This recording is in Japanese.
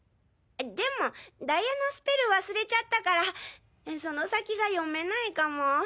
でもダイヤのスペル忘れちゃったからその先が読めないかも。